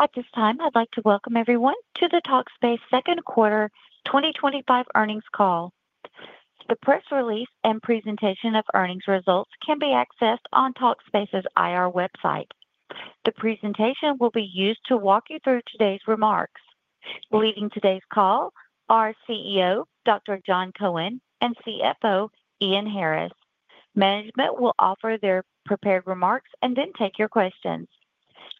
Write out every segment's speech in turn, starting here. At this time, I'd like to welcome everyone to the Talkspace Second Quarter 2025 Earnings Call. The press release and presentation of earnings results can be accessed on Talkspace's IR website. The presentation will be used to walk you through today's remarks. Leading today's call are CEO, Dr. Jon Cohen, and CFO, Ian Harris. Management will offer their prepared remarks and then take your questions.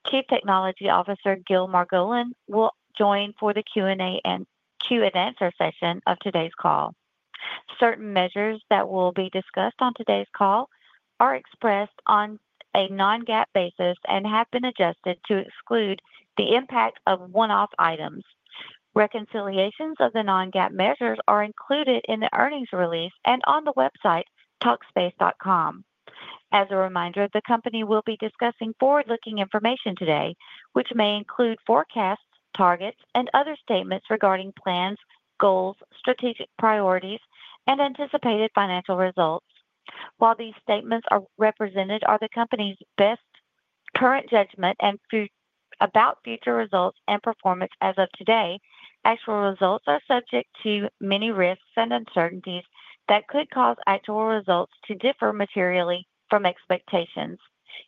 Chief Technology Officer, Gil Margolin, will join for the Q&A session of today's call. Certain measures that will be discussed on today's call are expressed on a non-GAAP basis and have been adjusted to exclude the impact of one-off items. Reconciliations of the non-GAAP measures are included in the earnings release and on the website, talkspace.com. As a reminder, the company will be discussing forward-looking information today, which may include forecasts, targets, and other statements regarding plans, goals, strategic priorities, and anticipated financial results. While these statements are represented by the company's best current judgment about future results and performance as of today, actual results are subject to many risks and uncertainties that could cause actual results to differ materially from expectations.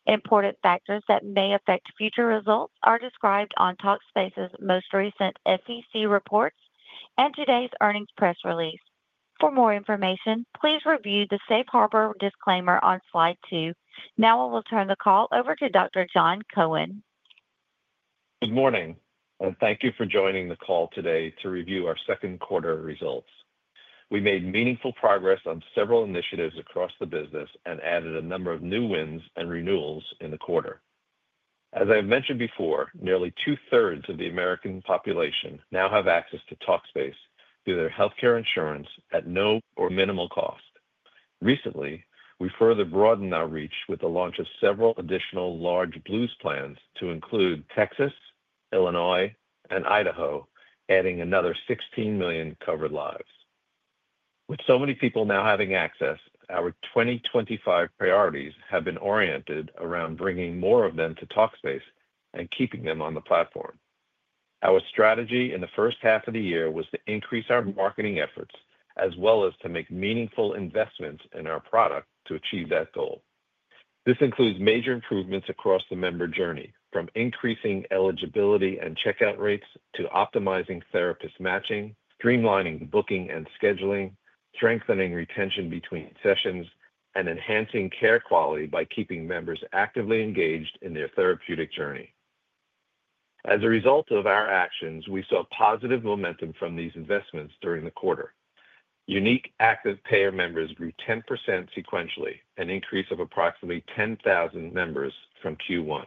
Important factors that may affect future results are described on Talkspace's most recent SEC reports and today's earnings press release. For more information, please review the Safe Harbor disclaimer on slide two. Now I will turn the call over to Dr. Jon Cohen. Good morning, and thank you for joining the call today to review our second quarter results. We made meaningful progress on several initiatives across the business and added a number of new wins and renewals in the quarter. As I've mentioned before, nearly two-thirds of the American population now have access to Talkspace through their healthcare insurance at no or minimal cost. Recently, we further broadened our reach with the launch of several additional large Blues plans to include Texas, Illinois, and Idaho, adding another 16 million covered lives. With so many people now having access, our 2025 priorities have been oriented around bringing more of them to Talkspace and keeping them on the platform. Our strategy in the first half of the year was to increase our marketing efforts, as well as to make meaningful investments in our product to achieve that goal. This includes major improvements across the member journey, from increasing eligibility and checkout rates to optimizing therapist matching, streamlining booking and scheduling, strengthening retention between sessions, and enhancing care quality by keeping members actively engaged in their therapeutic journey. As a result of our actions, we saw positive momentum from these investments during the quarter. Unique active payer members grew 10% sequentially, an increase of approximately 10,000 members from Q1,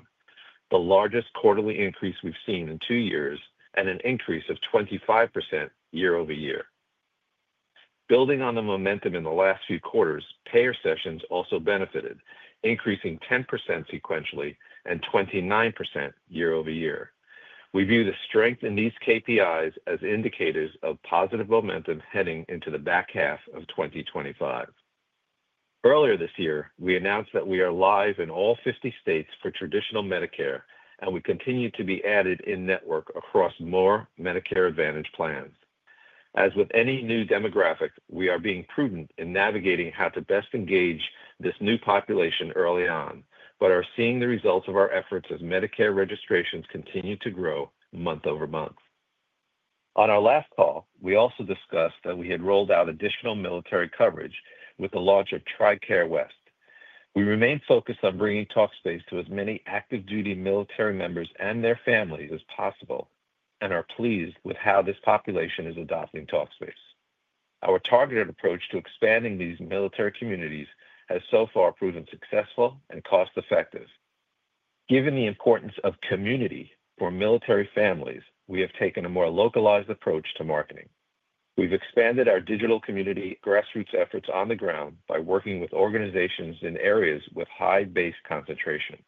the largest quarterly increase we've seen in two years, and an increase of 25% year-over-year. Building on the momentum in the last few quarters, payer sessions also benefited, increasing 10% sequentially and 29% year-over-year. We view the strength in these KPIs as indicators of positive momentum heading into the back-half of 2025. Earlier this year, we announced that we are live in all 50 states for traditional Medicare, and we continue to be added in network across more Medicare Advantage plans. As with any new demographic, we are being prudent in navigating how to best engage this new population early on, but are seeing the results of our efforts as Medicare registrations continue to grow month-over-month. On our last call, we also discussed that we had rolled out additional military coverage with the launch of TRICARE West. We remain focused on bringing Talkspace to as many active-duty military members and their families as possible and are pleased with how this population is adopting Talkspace. Our targeted approach to expanding these military communities has so far proven successful and cost-effective. Given the importance of community for military families, we have taken a more localized approach to marketing. We've expanded our digital community grassroots efforts on the ground by working with organizations in areas with high base concentration.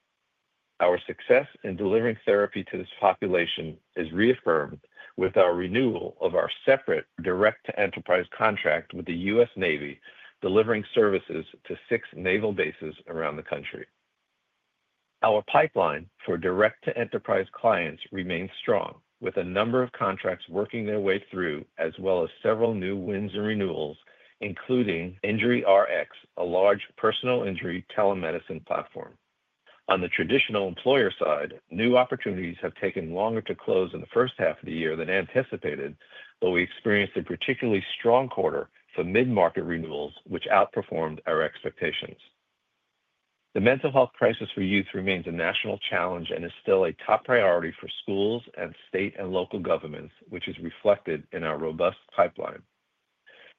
Our success in delivering therapy to this population is reaffirmed with our renewal of our separate direct-to-enterprise contract with the U.S. Navy, delivering services to six naval bases around the country. Our pipeline for direct-to-enterprise clients remains strong, with a number of contracts working their way through, as well as several new wins and renewals, including InjuryRx, a large personal injury telemedicine platform. On the traditional employer side, new opportunities have taken longer to close in the first half of the year than anticipated, but we experienced a particularly strong quarter for mid-market renewals, which outperformed our expectations. The mental health crisis for youth remains a national challenge and is still a top priority for schools and state and local governments, which is reflected in our robust pipeline.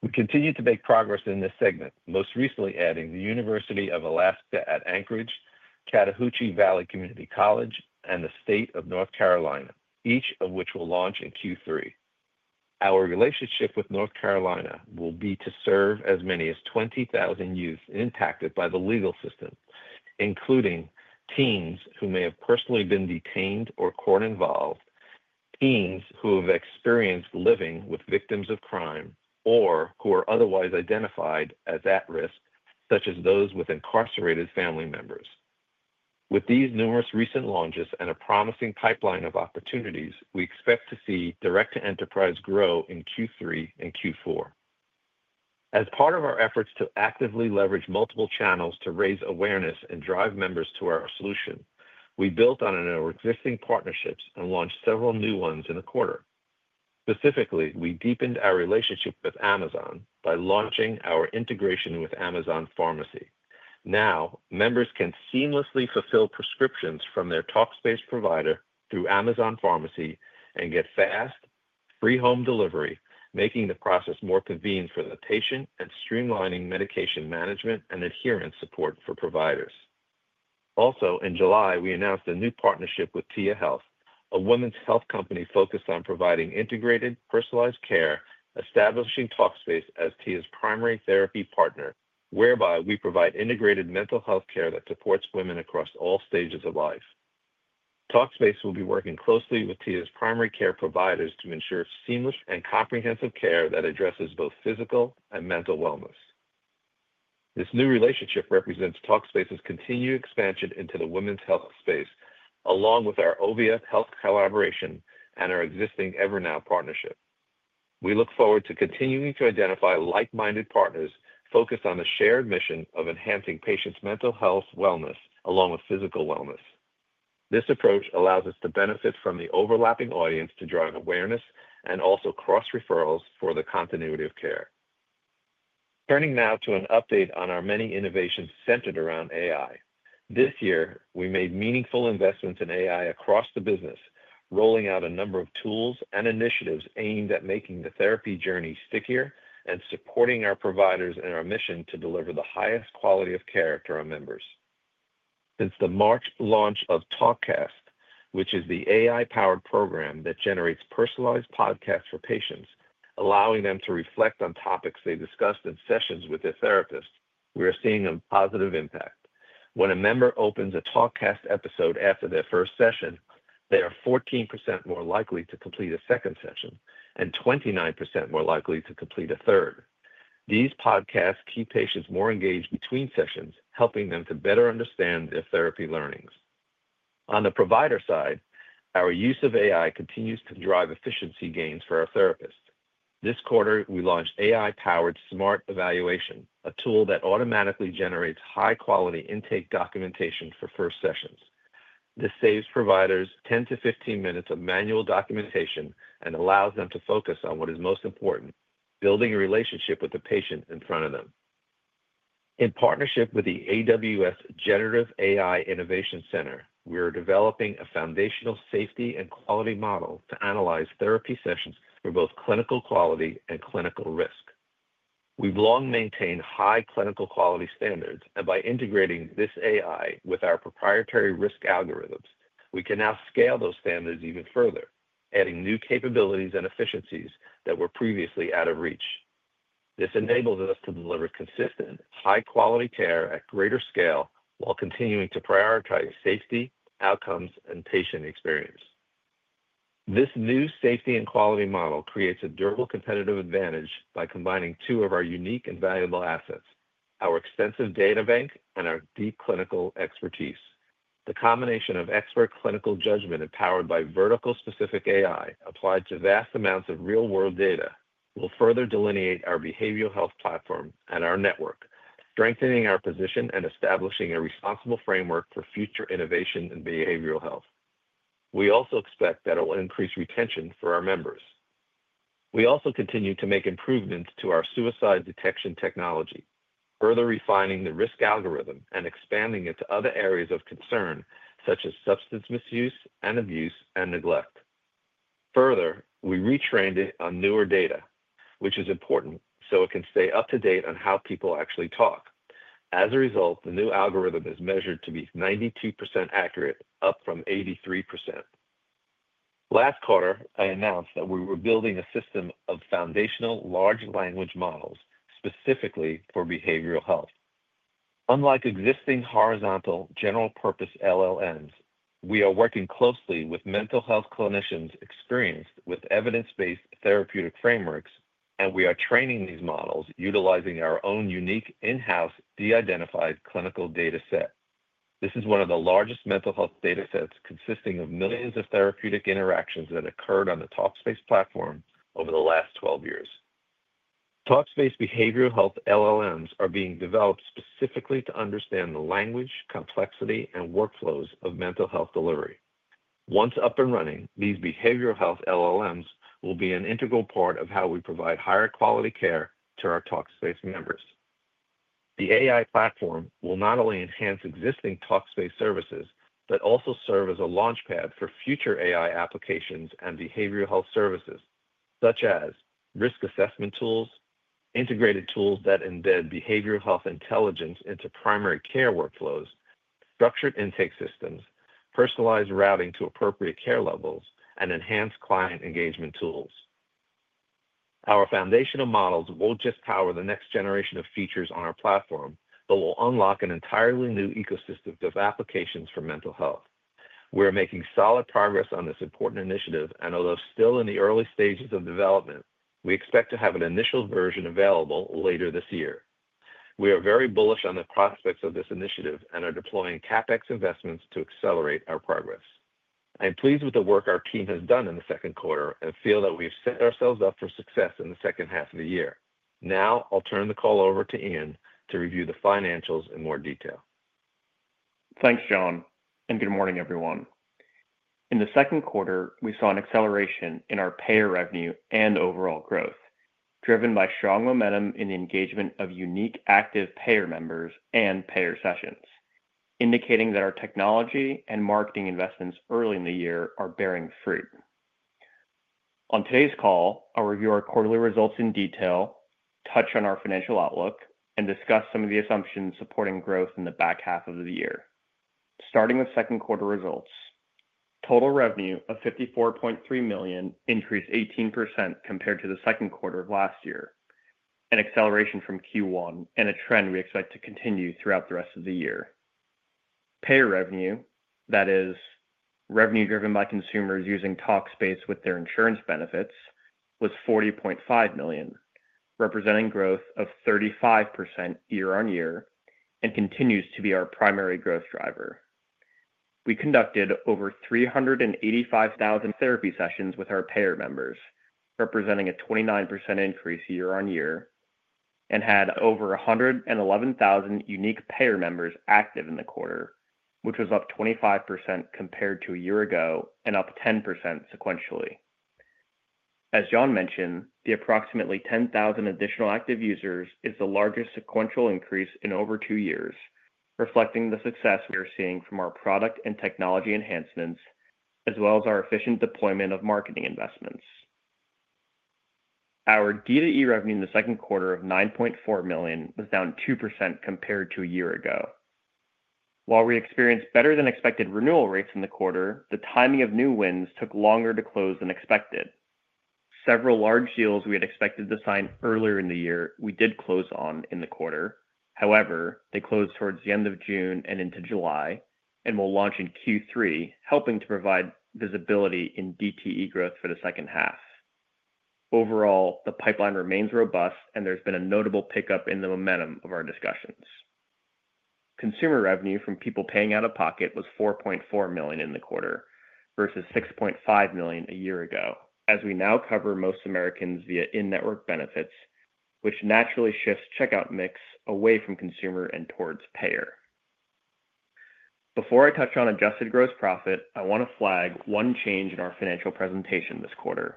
We continue to make progress in this segment, most recently adding the University of Alaska Anchorage, Chattahoochee Valley Community College, and the State of North Carolina, each of which will launch in Q3. Our relationship with North Carolina will be to serve as many as 20,000 youth impacted by the legal system, including teens who may have personally been detained or court-involved, teens who have experienced living with victims of crime, or who are otherwise identified as at-risk, such as those with incarcerated family members. With these numerous recent launches and a promising pipeline of opportunities, we expect to see direct-to-enterprise grow in Q3 and Q4. As part of our efforts to actively leverage multiple channels to raise awareness and drive members to our solution, we built on our existing partnerships and launched several new ones in the quarter. Specifically, we deepened our relationship with Amazon by launching our integration with Amazon Pharmacy. Now, members can seamlessly fulfill prescriptions from their Talkspace provider through Amazon Pharmacy and get fast, free home delivery, making the process more convenient for the patient and streamlining medication management and adherence support for providers. Also, in July, we announced a new partnership with Tia Health, a women's health company focused on providing integrated, personalized care, establishing Talkspace as Tia's primary therapy partner, whereby we provide integrated mental health care that supports women across all stages of life. Talkspace will be working closely with Tia's primary care providers to ensure seamless and comprehensive care that addresses both physical and mental wellness. This new relationship represents Talkspace's continued expansion into the women's health space, along with our Ovia Health collaboration and our existing Evernow partnership. We look forward to continuing to identify like-minded partners focused on the shared mission of enhancing patients' mental health wellness, along with physical wellness. This approach allows us to benefit from the overlapping audience to drive awareness and also cross-referrals for the continuity of care. Turning now to an update on our many innovations centered around AI. This year, we made meaningful investments in AI across the business, rolling out a number of tools and initiatives aimed at making the therapy journey stickier and supporting our providers in our mission to deliver the highest quality of care to our members. Since the March launch of Talkcast, which is the AI-powered program that generates personalized podcasts for patients, allowing them to reflect on topics they discussed in sessions with their therapists, we are seeing a positive impact. When a member opens a Talkcast episode after their first session, they are 14% more likely to complete a second session and 29% more likely to complete a third. These podcasts keep patients more engaged between sessions, helping them to better understand their therapy learnings. On the provider side, our use of AI continues to drive efficiency gains for our therapists. This quarter, we launched AI-powered smart evaluation, a tool that automatically generates high-quality intake documentation for first sessions. This saves providers 10-5 minutes of manual documentation and allows them to focus on what is most important: building a relationship with the patient in front of them. In partnership with the AWS Generative AI Innovation Center, we are developing a foundational safety and quality model to analyze therapy sessions for both clinical quality and clinical risk. We've long maintained high clinical quality standards, and by integrating this AI with our proprietary risk algorithms, we can now scale those standards even further, adding new capabilities and efficiencies that were previously out of reach. This enables us to deliver consistent, high-quality care at greater scale while continuing to prioritize safety, outcomes, and patient experience. This new safety and quality model creates a durable competitive advantage by combining two of our unique and valuable assets: our extensive data bank and our deep clinical expertise. The combination of expert clinical judgment, powered by vertical-specific AI applied to vast amounts of real-world data, will further delineate our behavioral health platform and our network, strengthening our position and establishing a responsible framework for future innovation in behavioral health. We also expect that it will increase retention for our members. We also continue to make improvements to our suicide detection technology, further refining the risk algorithm and expanding it to other areas of concern, such as substance misuse and abuse and neglect. Further, we retrained it on newer data, which is important, so it can stay up-to-date on how people actually talk. As a result, the new algorithm is measured to be 92% accurate, up from 83%. Last quarter, I announced that we were building a system of foundational large language models specifically for behavioral health. Unlike existing horizontal general-purpose LLMs, we are working closely with mental health clinicians experienced with evidence-based therapeutic frameworks, and we are training these models utilizing our own unique in-house de-identified clinical dataset. This is one of the largest mental health datasets consisting of millions of therapeutic interactions that occurred on the Talkspace platform over the last 12 years. Talkspace behavioral health LLMs are being developed specifically to understand the language, complexity, and workflows of mental health delivery. Once up and running, these behavioral health LLMs will be an integral part of how we provide higher quality care to our Talkspace members. The AI platform will not only enhance existing Talkspace services, but also serve as a launchpad for future AI applications and behavioral health services, such as risk assessment tools, integrated tools that embed behavioral health intelligence into primary care workflows, structured intake systems, personalized routing to appropriate care levels, and enhanced client engagement tools. Our foundational models won't just power the next generation of features on our platform, but will unlock an entirely new ecosystem of applications for mental health. We're making solid progress on this important initiative, and although still in the early stages of development, we expect to have an initial version available later this year. We are very bullish on the prospects of this initiative and are deploying CapEx investments to accelerate our progress. I'm pleased with the work our team has done in the second quarter and feel that we've set ourselves up for success in the second half of the year. Now, I'll turn the call over to Ian to review the financials in more detail. Thanks, Jon, and good morning, everyone. In the second quarter, we saw an acceleration in our payer revenue and overall growth, driven by strong momentum in the engagement of unique active payer members and payer sessions, indicating that our technology and marketing investments early in the year are bearing fruit. On today's call, I'll review our quarterly results in detail, touch on our financial outlook, and discuss some of the assumptions supporting growth in the back-half of the year. Starting with second quarter results, total revenue of $54.3 million increased 18% compared to the second quarter of last year, an acceleration from Q1 and a trend we expect to continue throughout the rest of the year. Payer revenue, that is, revenue driven by consumers using Talkspace with their insurance benefits, was $40.5 million, representing growth of 35% year-on-year and continues to be our primary growth driver. We conducted over 385,000 therapy sessions with our payer members, representing a 29% increase year-on-year, and had over 111,000 unique payer members active in the quarter, which was up 25% compared to a year ago and up 10% sequentially. As Jon mentioned, the approximately 10,000 additional active users is the largest sequential increase in over two years, reflecting the success we are seeing from our product and technology enhancements, as well as our efficient deployment of marketing investments. Our DTE revenue in the second quarter of $9.4 million was down 2% compared to a year ago. While we experienced better-than-expected renewal rates in the quarter, the timing of new wins took longer to close than expected. Several large deals we had expected to sign earlier in the year we did close on in the quarter, however, they closed towards the end of June and into July and will launch in Q3, helping to provide visibility in DTE growth for the second half. Overall, the pipeline remains robust, and there's been a notable pickup in the momentum of our discussions. Consumer revenue from people paying out of pocket was $4.4 million in the quarter versus $6.5 million a year ago, as we now cover most Americans via in-network benefits, which naturally shifts checkout mix away from consumer and towards payer. Before I touch on adjusted gross profit, I want to flag one change in our financial presentation this quarter.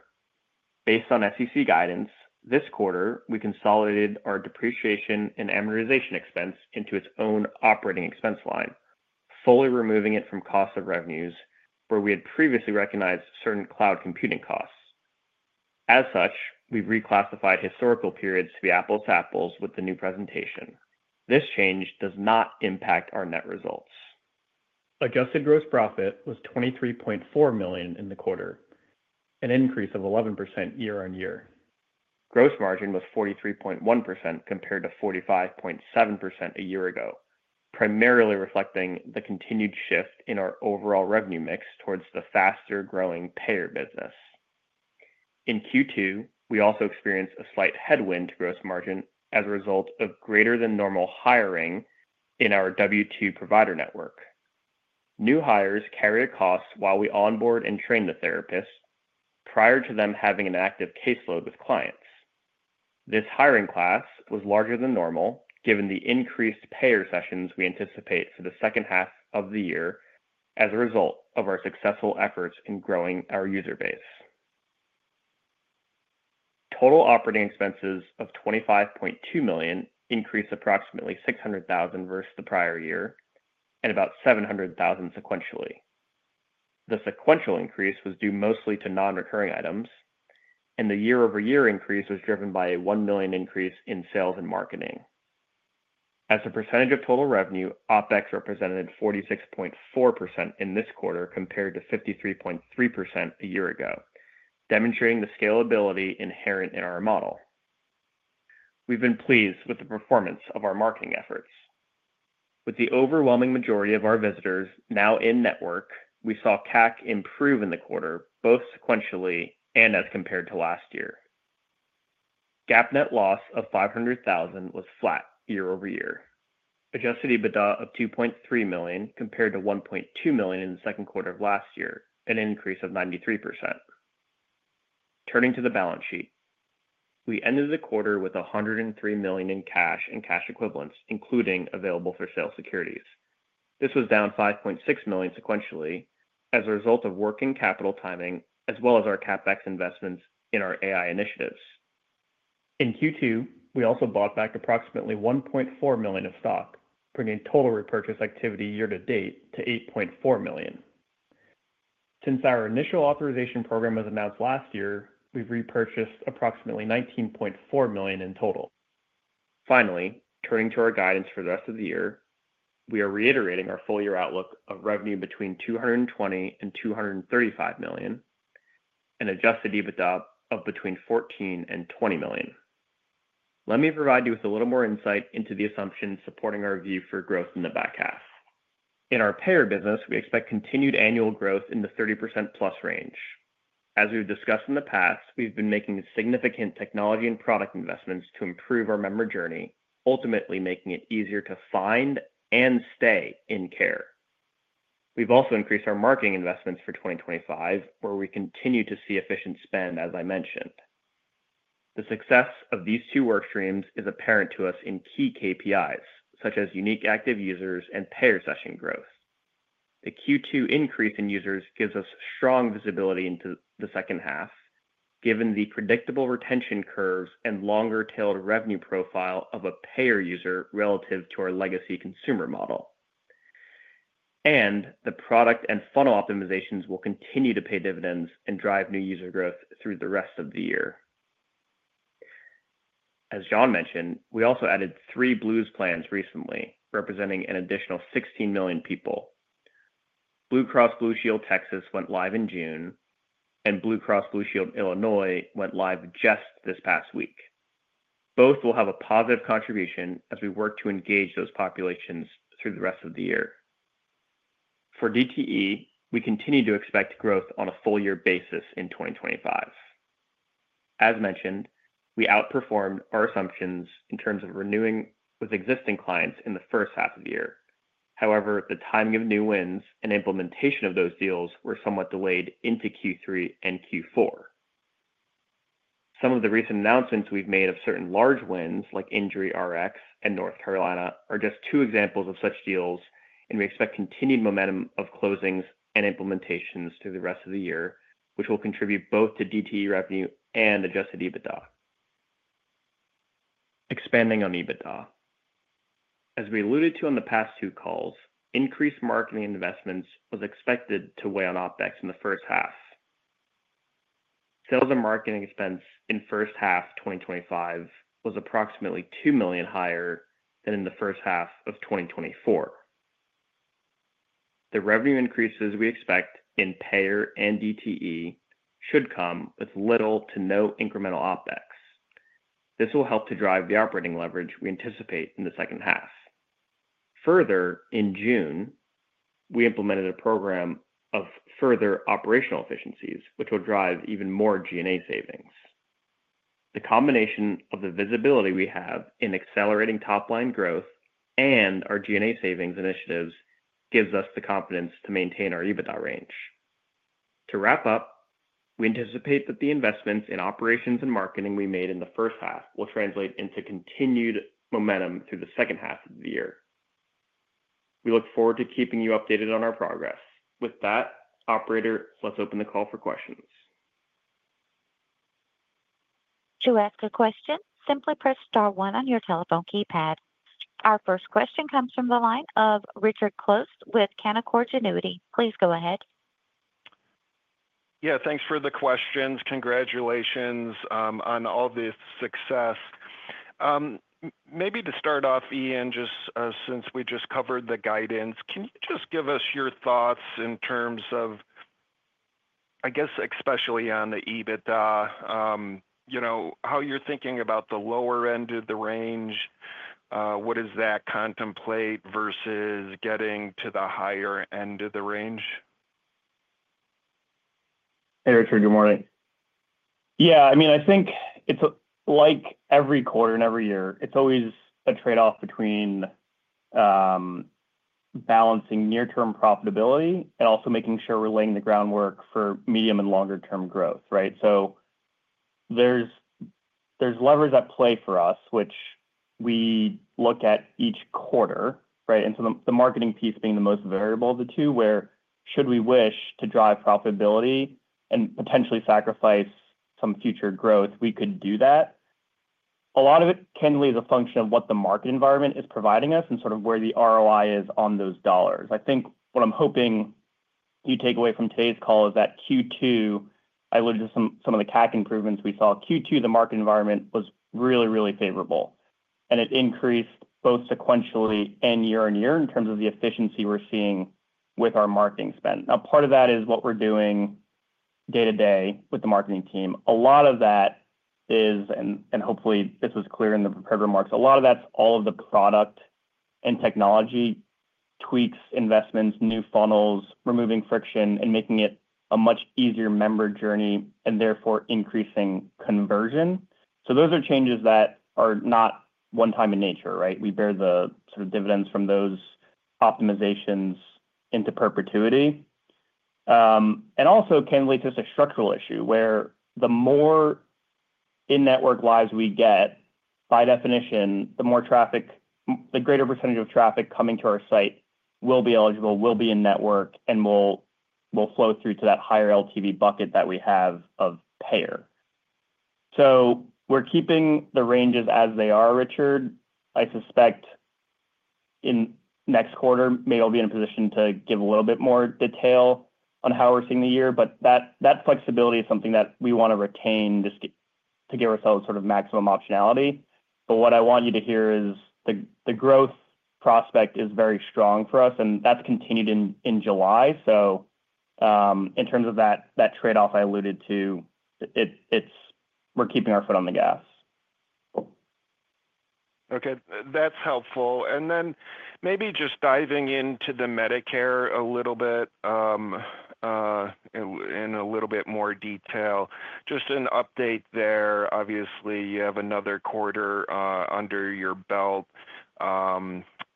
Based on SEC guidance, this quarter we consolidated our depreciation and amortization expense into its own operating expense line, solely removing it from costs of revenues where we had previously recognized certain cloud computing costs. As such, we've reclassified historical periods to be apples to apples with the new presentation. This change does not impact our net results. Adjusted gross profit was $23.4 million in the quarter, an increase of 11% year-on-year. Gross margin was 43.1% compared to 45.7% a year ago, primarily reflecting the continued shift in our overall revenue mix towards the faster-growing payer business. In Q2, we also experienced a slight headwind to gross margin as a result of greater-than-normal hiring in our W-2 provider network. New hires carry a cost while we onboard and train the therapists prior to them having an active caseload with clients. This hiring class was larger than normal, given the increased payer sessions we anticipate for the second half of the year as a result of our successful efforts in growing our user base. Total operating expenses of $25.2 million increased approximately $600,000 versus the prior year and about $700,000 sequentially. The sequential increase was due mostly to non-recurring items, and the year-over-year increase was driven by a $1 million increase in sales and marketing. As a percentage of total revenue, OpEx represented 46.4% in this quarter compared to 53.3% a year ago, demonstrating the scalability inherent in our model. We've been pleased with the performance of our marketing efforts. With the overwhelming majority of our visitors now in network, we saw CAC improve in the quarter, both sequentially and as compared to last year. GAAP net loss of $500,000 was flat year-over-year. Adjusted EBITDA of $2.3 million compared to $1.2 million in the second quarter of last year, an increase of 93%. Turning to the balance sheet, we ended the quarter with $103 million in cash and cash equivalents, including available for sale securities. This was down $5.6 million sequentially as a result of working capital timing, as well as our CapEx investments in our AI initiatives. In Q2, we also bought back approximately $1.4 million of stock, bringing total repurchase activity year to date to $8.4 million. Since our initial authorization program was announced last year, we've repurchased approximately $19.4 million in total. Finally, turning to our guidance for the rest of the year, we are reiterating our full-year outlook of revenue between $220 million-$235 million and adjusted EBITDA of between $14 million-$20 million. Let me provide you with a little more insight into the assumptions supporting our view for growth in the back-half. In our payer business, we expect continued annual growth in the 30%+ range. As we've discussed in the past, we've been making significant technology and product investments to improve our member journey, ultimately making it easier to find and stay in care. We've also increased our marketing investments for 2025, where we continue to see efficient spend, as I mentioned. The success of these two workstreams is apparent to us in key KPIs, such as unique active users and payer session growth. The Q2 increase in users gives us strong visibility into the second half, given the predictable retention curves and longer-tailed revenue profile of a payer user relative to our legacy consumer model. The product and funnel optimizations will continue to pay dividends and drive new user growth through the rest of the year. As Jon mentioned, we also added three Blues plans recently, representing an additional 16 million people. Blue Cross Blue Shield of Texas went live in June, and Blue Cross Blue Shield of Illinois went live just this past week. Both will have a positive contribution as we work to engage those populations through the rest of the year. For DTE, we continue to expect growth on a full-year basis in 2025. As mentioned, we outperformed our assumptions in terms of renewing with existing clients in the first half of the year. However, the timing of new wins and implementation of those deals were somewhat delayed into Q3 and Q4. Some of the recent announcements we've made of certain large wins, like InjuryRx and North Carolina, are just two examples of such deals, and we expect continued momentum of closings and implementations through the rest of the year, which will contribute both to DTE revenue and adjusted EBITDA. Expanding on EBITDA, as we alluded to on the past two calls, increased marketing investments was expected to weigh on OpEx in the first half. Sales and marketing expense in first half 2025 was approximately $2 million higher than in the first half of 2024. The revenue increases we expect in payer and DTE should come with little to no incremental OpEx. This will help to drive the operating leverage we anticipate in the second half. Further, in June, we implemented a program of further operational efficiencies, which will drive even more G&A savings. The combination of the visibility we have in accelerating top-line growth and our G&A savings initiatives gives us the confidence to maintain our EBITDA range. To wrap up, we anticipate that the investments in operations and marketing we made in the first half will translate into continued momentum through the second half of the year. We look forward to keeping you updated on our progress. With that, operator, let's open the call for questions. To ask a question, simply press star one on your telephone keypad. Our first question comes from the line of Richard Close with Canaccord Genuity. Please go ahead. Yeah, thanks for the questions. Congratulations on all this success. Maybe to start off, Ian, just since we just covered the guidance, can you just give us your thoughts in terms of, I guess, especially on the EBITDA, you know, how you're thinking about the lower-end of the range, what does that contemplate versus getting to the higher-end of the range? Hey, Richard, good morning. Yeah, I mean, I think it's like every quarter and every year, it's always a trade-off between balancing near-term profitability and also making sure we're laying the groundwork for medium and longer-term growth, right? There are levers at play for us, which we look at each quarter, right? The marketing piece being the most variable of the two, where should we wish to drive profitability and potentially sacrifice some future growth, we could do that. A lot of it, candidly, is a function of what the market environment is providing us and sort of where the ROI is on those dollars. I think what I'm hoping you take away from today's call is that Q2, I alluded to some of the CAC improvements we saw, Q2, the market environment was really, really favorable. It increased both sequentially and year-on-year in terms of the efficiency we're seeing with our marketing spend. Part of that is what we're doing day to day with the marketing team. A lot of that is, and hopefully this was clear in the prepared remarks, all of the product and technology tweaks, investments, new funnels, removing friction, and making it a much easier member journey and therefore increasing conversion. Those are changes that are not one-time in nature, right? We bear the sort of dividends from those optimizations into perpetuity. Also, candidly, it's just a structural issue where the more in-network lives we get, by definition, the more traffic, the greater percentage of traffic coming to our site will be eligible, will be in network, and will flow through to that higher LTV bucket that we have of payer. We're keeping the ranges as they are, Richard. I suspect in next quarter, maybe I'll be in a position to give a little bit more detail on how we're seeing the year, but that flexibility is something that we want to retain to give ourselves sort of maximum optionality. What I want you to hear is the growth prospect is very strong for us, and that's continued in July. In terms of that trade-off I alluded to, we're keeping our foot on the gas. Okay, that's helpful. Maybe just diving into the Medicare a little bit in a little bit more detail. Just an update there. Obviously, you have another quarter under your belt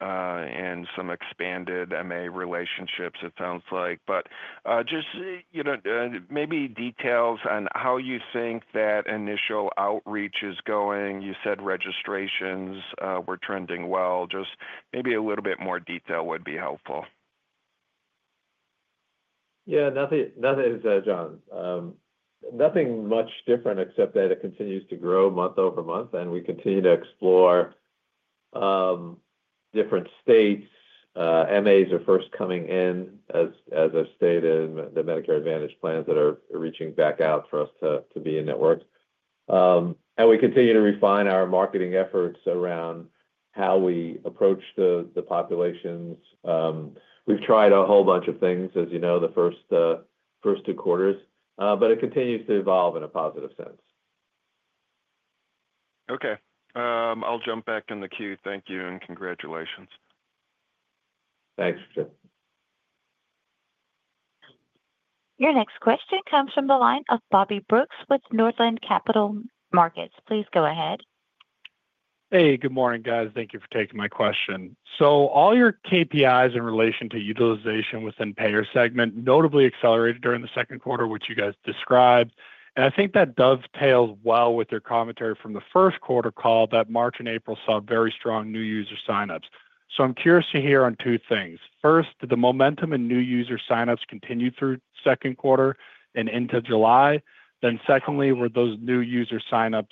and some expanded MA relationships, it sounds like. Just, you know, maybe details on how you think that initial outreach is going. You said registrations were trending well. Maybe a little bit more detail would be helpful. Yeah, nothing is, Jon. Nothing much different except that it continues to grow month-over-month, and we continue to explore different states. MAs are first coming in, as I've stated, and the Medicare Advantage plans that are reaching back out for us to be in network. We continue to refine our marketing efforts around how we approach the populations. We've tried a whole bunch of things, as you know, the first two quarters, but it continues to evolve in a positive sense. Okay. I'll jump back in the queue. Thank you and congratulations. Thanks, Richard. Your next question comes from the line of Bobby Brooks with Northland Capital Markets. Please go ahead. Hey, good morning, guys. Thank you for taking my question. All your KPIs in relation to utilization within the payer segment notably accelerated during the second quarter, which you guys described. I think that dovetails well with your commentary from the first quarter call that March and April saw very strong new user signups. I'm curious to hear on two things. First, did the momentum in new user signups continue through the second quarter and into July? Secondly, were those new user signups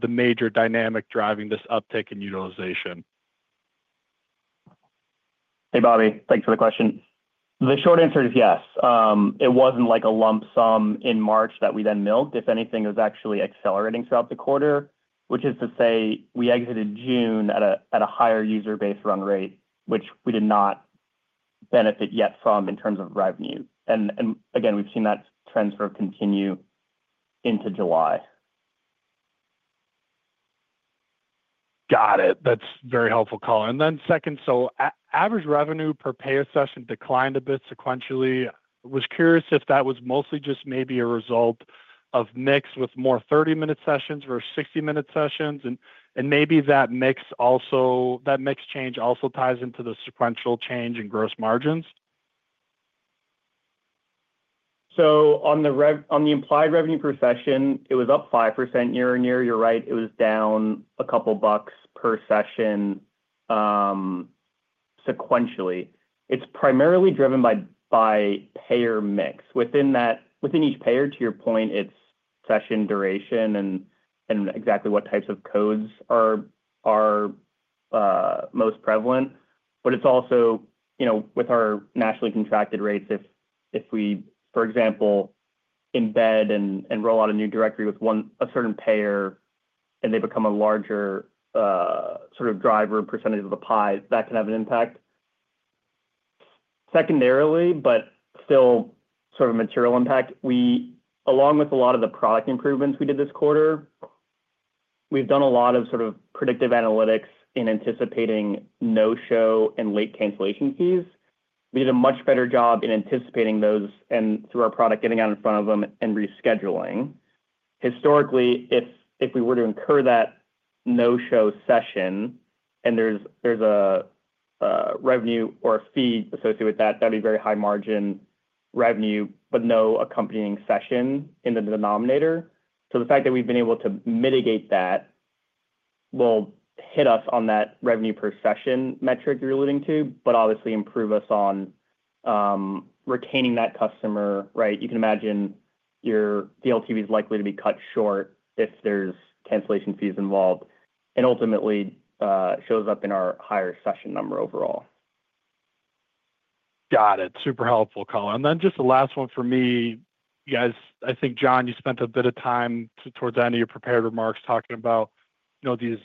the major dynamic driving this uptick in utilization? Hey, Bobby. Thanks for the question. The short answer is yes. It wasn't like a lump sum in March that we then milked. If anything, it was actually accelerating throughout the quarter, which is to say we exited June at a higher user-base run rate, which we did not benefit yet from in terms of revenue. We've seen that trend sort of continue into July. Got it. That's a very helpful call. The average revenue per payer session declined a bit sequentially. I was curious if that was mostly just maybe a result of mix with more 30-minute sessions versus 60-minute sessions. Maybe that mix change also ties into the sequential change in gross margins. On the implied revenue per session, it was up 5% year-on-year. You're right, it was down a couple bucks per session sequentially. It's primarily driven by payer mix. Within each payer, to your point, it's session duration and exactly what types of codes are most prevalent. It's also, you know, with our nationally contracted rates, if we, for example, embed and roll out a new directory with a certain payer and they become a larger sort of driver percentage of the pie, that can have an impact. Secondarily, but still sort of a material impact, we, along with a lot of the product improvements we did this quarter, have done a lot of predictive analytics in anticipating no-show and late cancellation fees. We did a much better job in anticipating those and through our product, getting out in front of them and rescheduling. Historically, if we were to incur that no-show session and there's a revenue or a fee associated with that, that'd be very high margin revenue, but no accompanying session in the denominator. The fact that we've been able to mitigate that will hit us on that revenue per session metric you're alluding to, but obviously improve us on retaining that customer, right? You can imagine your LTV is likely to be cut short if there's cancellation fees involved. Ultimately, it shows up in our higher session number overall. Got it. Super helpful call. Just the last one for me, you guys, I think, Jon, you spent a bit of time towards the end of your prepared remarks talking about, you know, these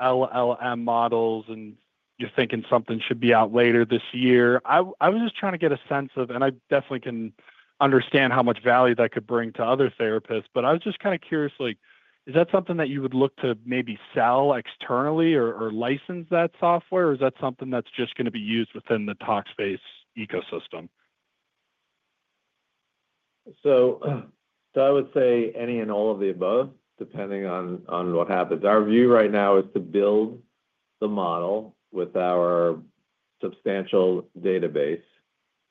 LLM models and you're thinking something should be out later this year. I was just trying to get a sense of, and I definitely can understand how much value that could bring to other therapists, but I was just kind of curious, like, is that something that you would look to maybe sell externally or license that software, or is that something that's just going to be used within the Talkspace ecosystem? I would say any and all of the above, depending on what happens. Our view right now is to build the model with our substantial database.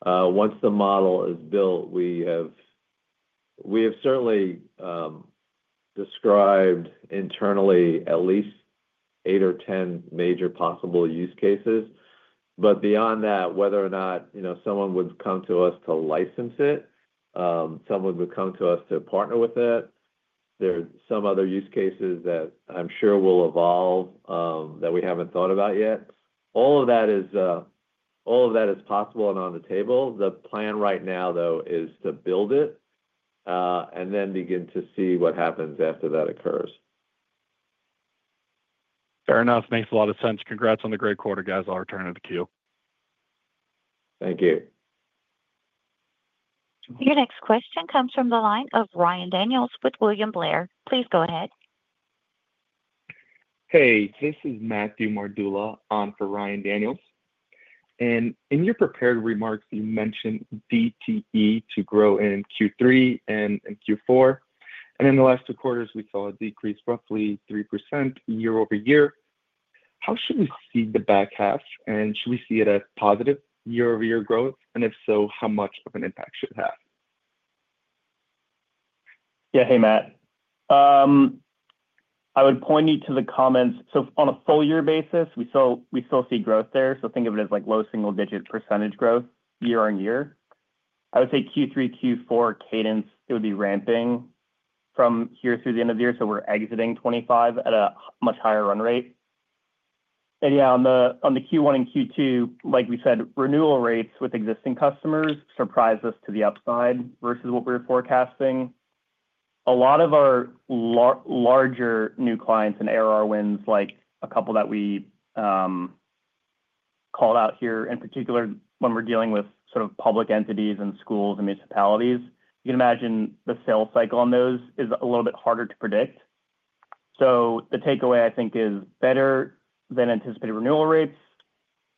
Once the model is built, we have certainly described internally at least eight or 10 major possible use cases. Beyond that, whether or not someone would come to us to license it, someone would come to us to partner with it, there are some other use cases that I'm sure will evolve that we haven't thought about yet. All of that is possible and on the table. The plan right now, though, is to build it and then begin to see what happens after that occurs. Fair enough. Makes a lot of sense. Congrats on the great quarter, guys. I'll return to the queue. Thank you. Your next question comes from the line of Ryan Daniels with William Blair. Please go ahead. Hey, this is Matthew Mardula on for Ryan Daniels. In your prepared remarks, you mentioned DTE to grow in Q3 and Q4. In the last two quarters, we saw a decrease, roughly 3% year-over-year. How should we see the back-half, and should we see it as positive year-over-year growth? If so, how much of an impact should it have? Yeah, hey Matt. I would point you to the comments. On a full-year basis, we still see growth there. Think of it as like low single-digit percentage growth year-on-year. I would say Q3, Q4 cadence, it would be ramping from here through the end of the year. We're exiting 2025 at a much higher run rate. On the Q1 and Q2, like we said, renewal rates with existing customers surprise us to the upside versus what we were forecasting. A lot of our larger new clients and ARR wins, like a couple that we called out here, in particular when we're dealing with sort of public entities and schools and municipalities, you can imagine the sales cycle on those is a little bit harder to predict. The takeaway, I think, is better than anticipated renewal rates.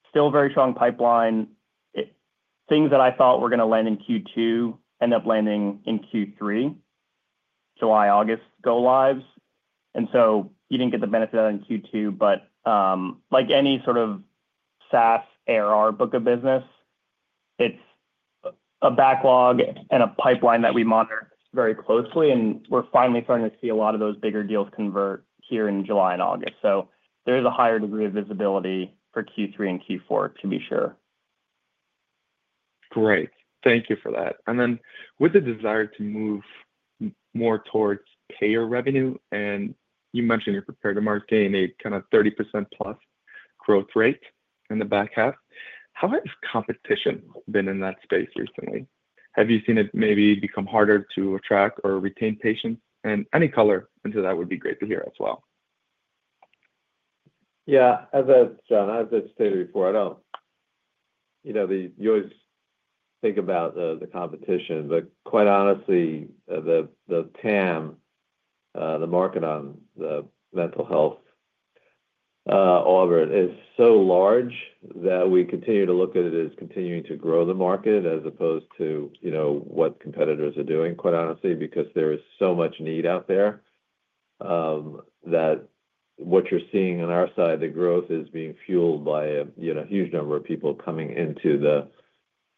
Still very strong pipeline. Things that I thought were going to land in Q2 end up landing in Q3, July, August go lives. You didn't get the benefit of that in Q2, but like any sort of SaaS ARR book of business, it's a backlog and a pipeline that we monitor very closely. We're finally starting to see a lot of those bigger deals convert here in July and August. There is a higher degree of visibility for Q3 and Q4 to be sure. Great. Thank you for that. With the desire to move more towards payer revenue, and you mentioned you're prepared to market in a kind of 30%+ growth rate in the back-half, how has competition been in that space recently? Have you seen it maybe become harder to attract or retain patients? Any color into that would be great to hear as well. Yeah, as I've stated before, I don't, you know, you always think about the competition, but quite honestly, the TAM, the market on the mental health, is so large that we continue to look at it as continuing to grow the market as opposed to, you know, what competitors are doing, quite honestly, because there is so much need out there that what you're seeing on our side, the growth is being fueled by a huge number of people coming to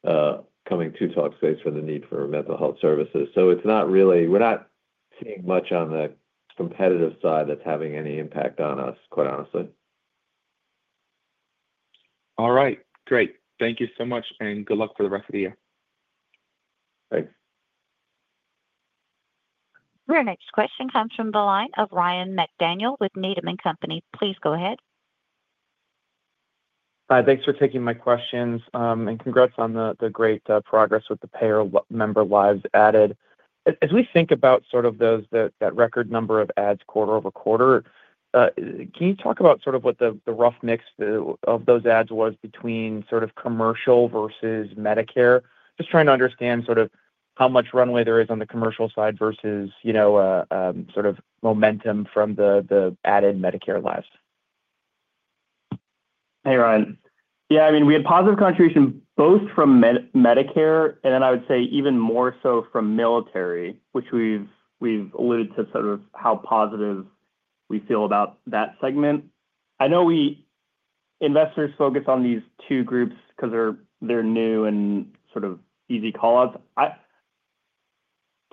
Talkspace for the need for mental health services. It's not really, we're not seeing much on the competitive side that's having any impact on us, quite honestly. All right, great. Thank you so much, and good luck for the rest of the year. Thanks. Your next question comes from the line of Ryan MacDonald with Needham & Company. Please go ahead. Hi, thanks for taking my questions, and congrats on the great progress with the payer member lives added. As we think about those, that record number of adds quarter-over-quarter, can you talk about what the rough mix of those adds was between commercial versus Medicare? Just trying to understand how much runway there is on the commercial side versus, you know, momentum from the added Medicare lives. Hey, Ryan. Yeah, I mean, we had positive contributions both from Medicare, and then I would say even more so from military, which we've alluded to, sort of how positive we feel about that segment. I know we investors focus on these two groups because they're new and sort of easy callouts.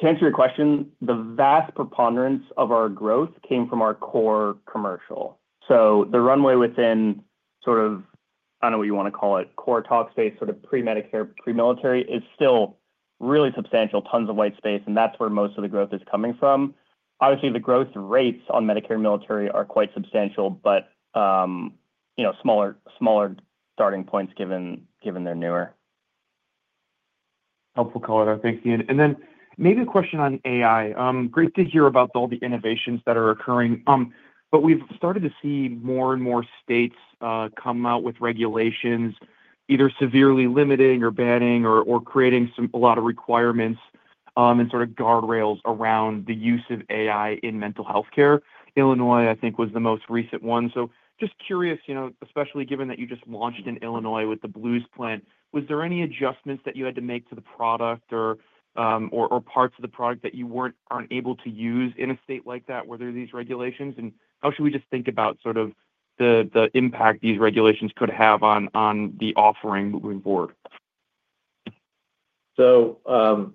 To answer your question, the vast preponderance of our growth came from our core commercial. The runway within, sort of, I don't know what you want to call it, core Talkspace, sort of pre-Medicare, pre-military, is still really substantial. Tons of white space, and that's where most of the growth is coming from. Obviously, the growth rates on Medicare and military are quite substantial, but, you know, smaller starting points given they're newer. Helpful callout. Thanks, Ian. Maybe a question on AI. Great to hear about all the innovations that are occurring, but we've started to see more and more states come out with regulations either severely limiting or banning or creating a lot of requirements and sort of guardrails around the use of AI in mental health care. Illinois, I think, was the most recent one. Just curious, you know, especially given that you just launched in Illinois with the Blues plan, was there any adjustments that you had to make to the product or parts of the product that you weren't able to use in a state like that where there are these regulations? How should we just think about sort of the impact these regulations could have on the offering moving forward? It's a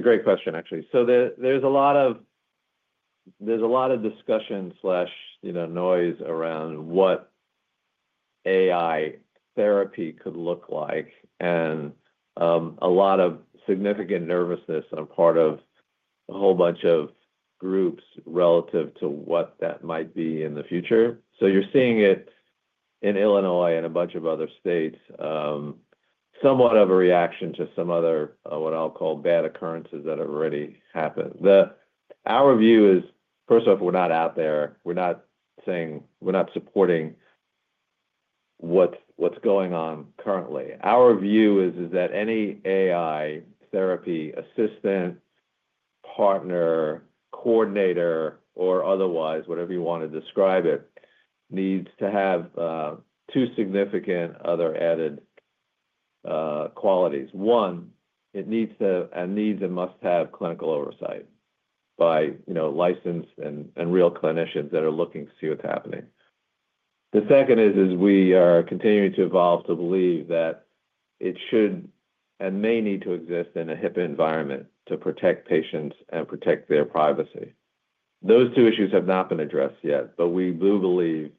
great question, actually. There's a lot of discussion and noise around what AI therapy could look like, and a lot of significant nervousness on the part of a whole bunch of groups relative to what that might be in the future. You're seeing it in Illinois and a bunch of other states, somewhat of a reaction to some other, what I'll call bad occurrences that have already happened. Our view is, first off, we're not out there. We're not saying we're not supporting what's going on currently. Our view is that any AI therapy assistant, partner, coordinator, or otherwise, whatever you want to describe it, needs to have two significant other added qualities. One, it needs to and must have clinical oversight by licensed and real clinicians that are looking to see what's happening. The second is we are continuing to evolve to believe that it should and may need to exist in a HIPAA environment to protect patients and protect their privacy. Those two issues have not been addressed yet, but we do believe,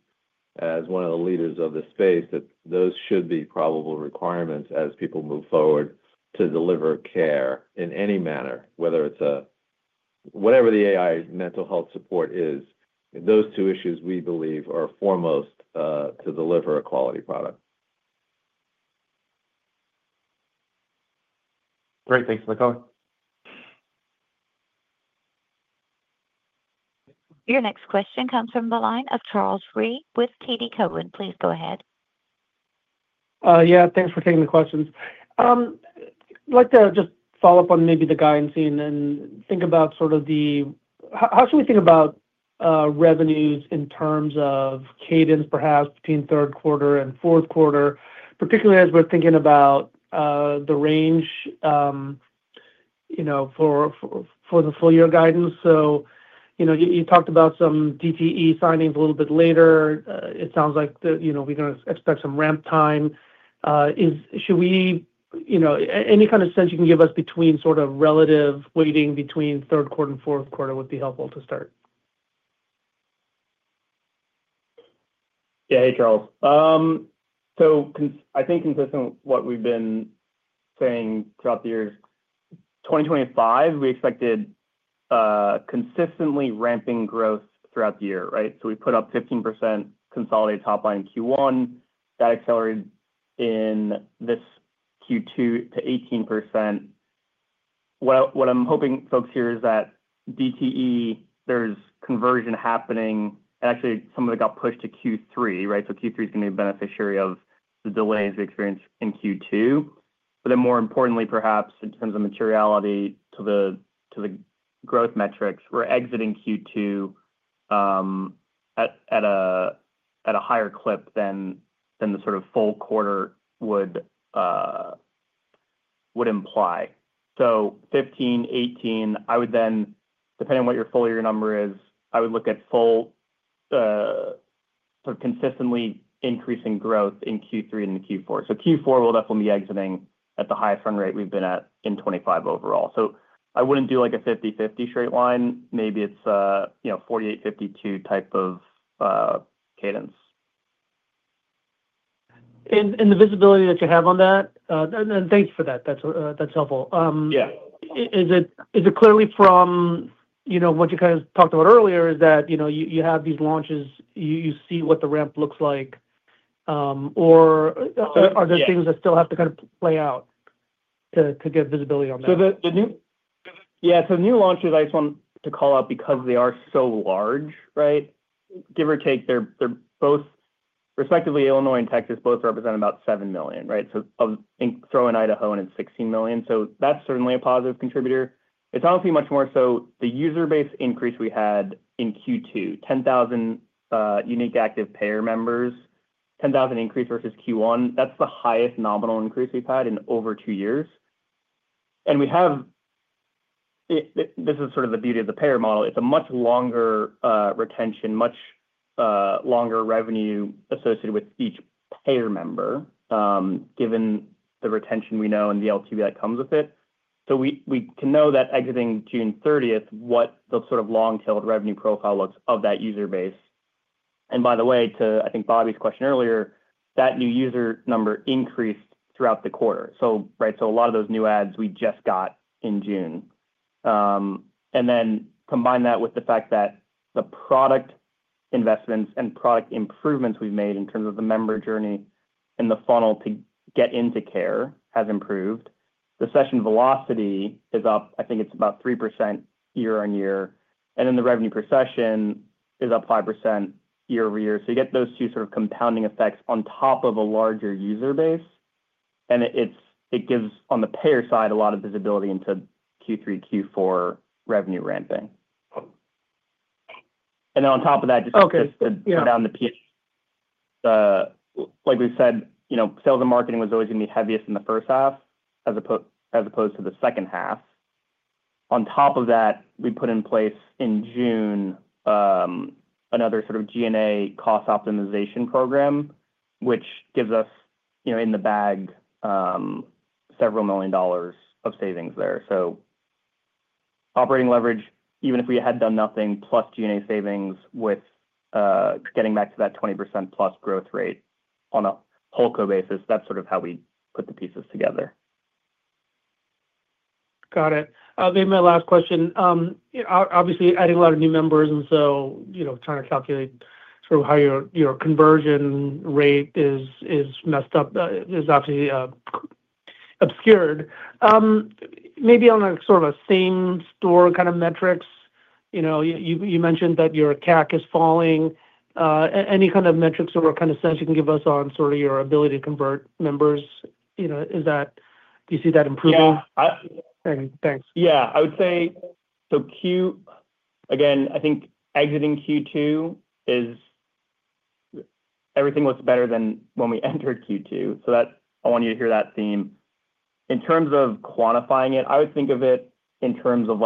as one of the leaders of the space, that those should be probable requirements as people move forward to deliver care in any manner, whatever the AI mental health support is. Those two issues we believe are foremost to deliver a quality product. Great. Thanks for the call. Your next question comes from the line of Charles Rhyee with TD Cowen. Please go ahead. Yeah, thanks for taking the questions. I'd like to just follow up on maybe the guidance, Ian, and think about sort of the how should we think about revenues in terms of cadence, perhaps between third quarter and fourth quarter, particularly as we're thinking about the range for the full-year guidance. You talked about some DTE signings a little bit later. It sounds like we're going to expect some ramp time. Any kind of sense you can give us between sort of relative weighting between third quarter and fourth quarter would be helpful to start. Yeah, hey Charles. I think consistent with what we've been saying throughout the years, 2025, we expected consistently ramping growth throughout the year, right? We put up 15% consolidated top-line in Q1. That accelerated in this Q2 to 18%. What I'm hoping folks hear is that DTE, there's conversion happening, and actually some of it got pushed to Q3, right? Q3 is going to be a beneficiary of the delays we experienced in Q2. More importantly, perhaps it depends on materiality to the growth metrics. We're exiting Q2 at a higher clip than the sort of full quarter would imply. 15, 18, I would then, depending on what your full-year number is, look at full, sort of consistently increasing growth in Q3 and Q4. Q4 we'll definitely be exiting at the highest run rate we've been at in 2025 overall. I wouldn't do like a 50/50 straight line. Maybe it's a 48/52 type of cadence. The visibility that you have on that, thank you for that. That's helpful. Yeah. Is it clearly from what you kind of talked about earlier, that you have these launches, you see what the ramp looks like, or are there things that still have to kind of play out to get visibility on that? Yeah, so the new launches I just want to call out because they are so large, right? Give or take, they're both respectively Illinois and Texas, both represent about 7 million, right? So throw in Idaho and it's 16 million. That's certainly a positive contributor. It's obviously much more so the user-base increase we had in Q2, 10,000 unique active payer members, 10,000 increase versus Q1. That's the highest nominal increase we've had in over two years. We have, this is sort of the beauty of the payer model. It's a much longer retention, much longer revenue associated with each payer member, given the retention we know and the LTV that comes with it. We can know that exiting June 30, what the sort of long-tailed revenue profile looks of that user-base. By the way, to I think Bobby's question earlier, that new user number increased throughout the quarter. A lot of those new adds we just got in June. Combine that with the fact that the product investments and product improvements we've made in terms of the member journey and the funnel to get into care have improved. The session velocity is up, I think it's about 3% year-on-year. The revenue per session is up 5% year-over-year. You get those two sort of compounding effects on top of a larger user-base. It gives, on the payer side, a lot of visibility into Q3, Q4 revenue ramping. On top of that, just to put down the P, like we said, sales and marketing was always going to be heaviest in the first half as opposed to the second half. On top of that, we put in place in June another sort of G&A cost optimization program, which gives us, in the bag, several million dollars of savings there. Operating leverage, even if we had done nothing, plus G&A savings with getting back to that 20%+ growth rate on a whole code basis, that's sort of how we put the pieces together. Got it. Maybe my last question. Obviously, adding a lot of new members, and so, you know, trying to calculate sort of how your conversion rate is messed up is obviously obscured. Maybe on a sort of a same store kind of metrics, you know, you mentioned that your CAC is falling. Any kind of metrics or kind of sense you can give us on sort of your ability to convert members, you know, is that you see that improvement? Yeah. Thanks. I would say, Q, again, I think exiting Q2 everything looks better than when we entered Q2. I want you to hear that theme. In terms of quantifying it, I would think of it in terms of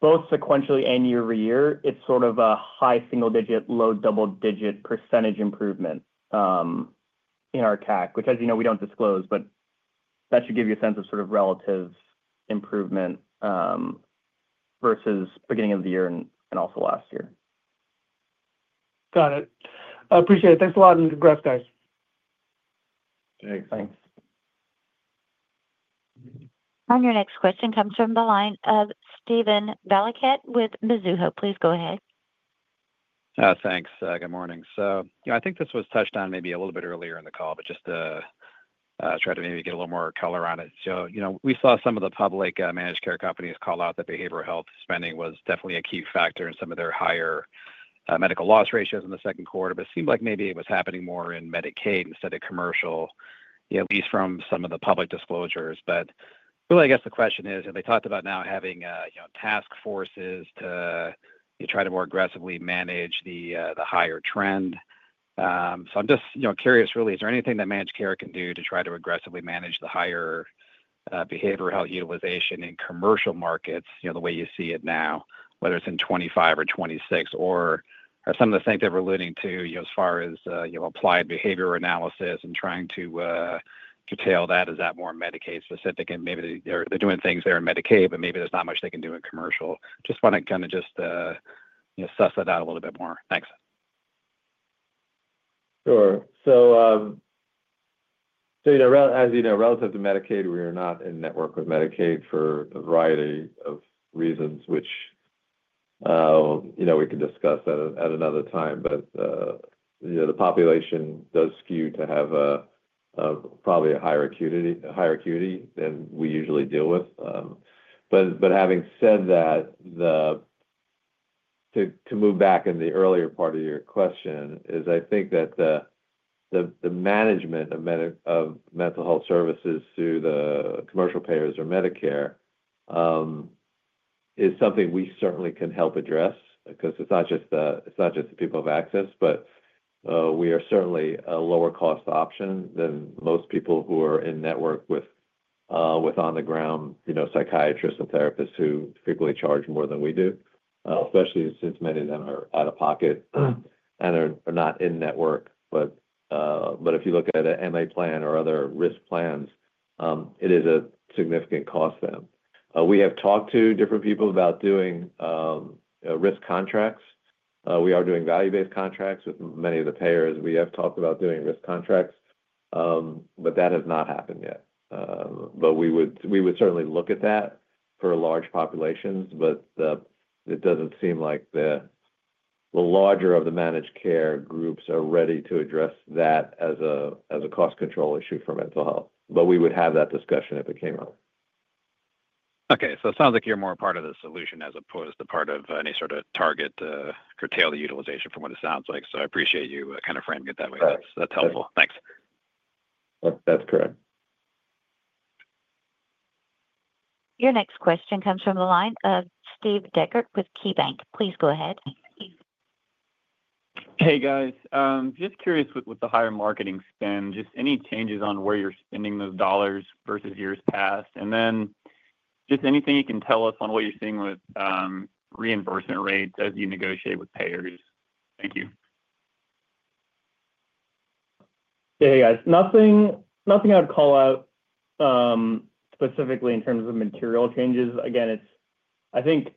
both sequentially and year over year, it's sort of a high single-digit, low double-digit percentage improvement in our CAC, which, as you know, we don't disclose, but that should give you a sense of relative improvement versus the beginning of the year and also last year. Got it. Appreciate it. Thanks a lot and congrats, guys. Thanks. Thanks. Your next question comes from the line of Steven Valiquette with Mizuho. Please go ahead. Thanks. Good morning. I think this was touched on maybe a little bit earlier in the call, but just to try to maybe get a little more color on it. We saw some of the public managed care companies call out that behavioral health spending was definitely a key factor in some of their higher medical loss ratios in the second quarter, but it seemed like maybe it was happening more in Medicaid instead of commercial, at least from some of the public disclosures. Really, I guess the question is, and they talked about now having task forces to try to more aggressively manage the higher trend. I'm just curious, really, is there anything that managed care can do to try to aggressively manage the higher behavioral health utilization in commercial markets, the way you see it now, whether it's in 2025 or 2026? Are some of the things that we're alluding to, as far as applied behavior analysis and trying to curtail that, more Medicaid specific? Maybe they're doing things there in Medicaid, but maybe there's not much they can do in commercial. Just want to kind of suss that out a little bit more. Thanks. Sure. As you know, relative to Medicaid, we are not in network with Medicaid for a variety of reasons, which we could discuss at another time. The population does skew to have probably a higher acuity than we usually deal with. Having said that, to move back in the earlier part of your question, I think that the management of mental health services through the commercial payers or Medicare is something we certainly can help address because it's not just that people have access, but we are certainly a lower cost option than most people who are in network with on-the-ground psychiatrists and therapists who typically charge more than we do, especially since many of them are out of pocket and are not in network. If you look at an MA plan or other risk plans, it is a significant cost to them. We have talked to different people about doing risk contracts. We are doing value-based contracts with many of the payers. We have talked about doing risk contracts, but that has not happened yet. We would certainly look at that for large populations, but it doesn't seem like the larger of the managed care groups are ready to address that as a cost control issue for mental health. We would have that discussion if it came up. Okay. It sounds like you're more a part of the solution as opposed to part of any sort of target to curtail the utilization from what it sounds like. I appreciate you kind of framing it that way. That's helpful. Thanks. That's correct. Your next question comes from the line of Steve Dechert with KeyBanc. Please go ahead. Hey, guys. Just curious with the higher marketing spend, any changes on where you're spending those dollars versus years past? Anything you can tell us on what you're seeing with reimbursement rates as you negotiate with payers? Thank you. Yeah. Nothing I would call out specifically in terms of material changes. I think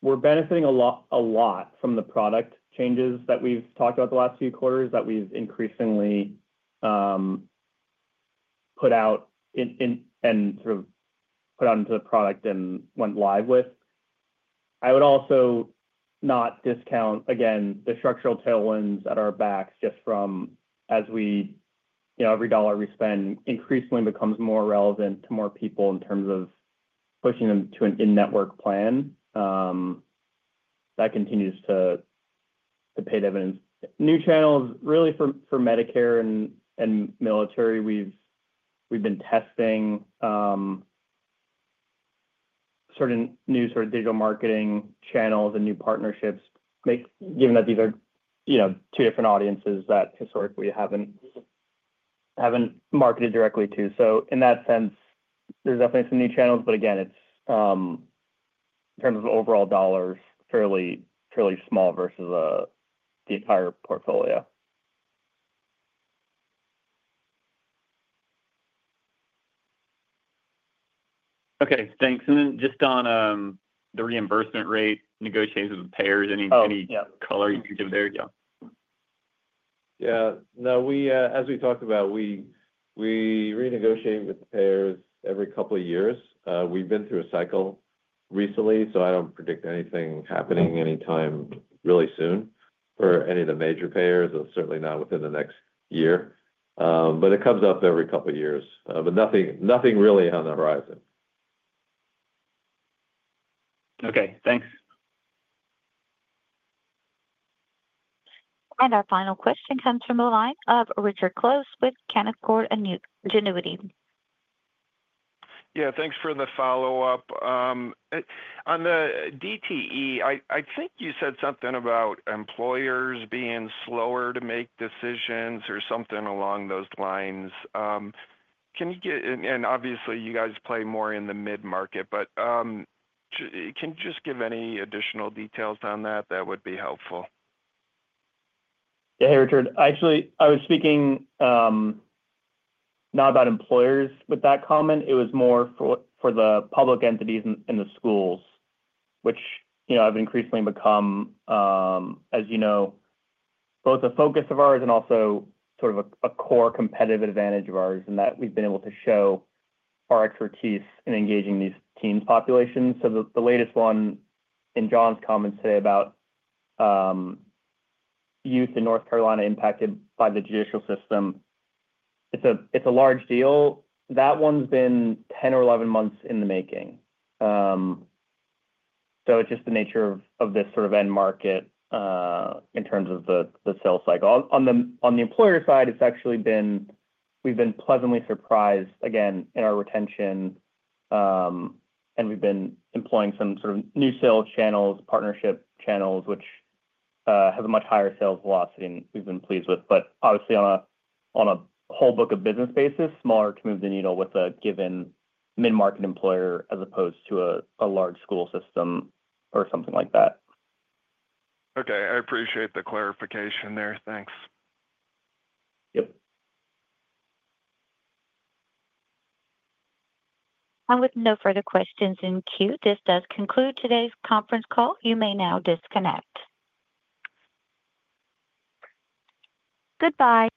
we're benefiting a lot from the product changes that we've talked about the last few quarters that we've increasingly put out and put out into the product and went live with. I would also not discount the structural tailwinds at our backs just from as we, you know, every dollar we spend increasingly becomes more relevant to more people in terms of pushing them to an in-network plan. That continues to be paid evidence. New channels for Medicare and military, we've been testing certain new digital marketing channels and new partnerships, given that these are two different audiences that historically haven't marketed directly to. In that sense, there's definitely some new channels, but in terms of overall dollars, fairly small versus the entire portfolio. Okay. Thanks. Just on the reimbursement rate negotiations with payers, any color you can give there? Yeah. As we talked about, we renegotiate with payers every couple of years. We've been through a cycle recently, so I don't predict anything happening anytime really soon for any of the major payers. It's certainly not within the next year. It comes up every couple of years, but nothing really on the horizon. Okay. Thanks. Our final question comes from the line of Richard Close with Canaccord Genuity. Yeah, thanks for the follow-up. On the DTE, I think you said something about employers being slower to make decisions or something along those lines. Can you get, and obviously, you guys play more in the mid-market, but can you just give any additional details on that? That would be helpful. Yeah, hey Richard. Actually, I was speaking not about employers with that comment. It was more for the public entities and the schools, which, you know, have increasingly become, as you know, both a focus of ours and also sort of a core competitive advantage of ours in that we've been able to show our expertise in engaging these teen populations. The latest one in Jon's comments today about youth in North Carolina impacted by the judicial system, it's a large deal. That one's been 10 or 11 months in the making. It's just the nature of this sort of end market in terms of the sales cycle. On the employer side, it's actually been, we've been pleasantly surprised, again, in our retention. We've been employing some sort of new sales channels, partnership channels, which have a much higher sales velocity and we've been pleased with. Obviously, on a whole book of business basis, smaller to move the needle with a given mid-market employer as opposed to a large school system or something like that. Okay. I appreciate the clarification there. Thanks. With no further questions in queue, this does conclude today's conference call. You may now disconnect. Goodbye.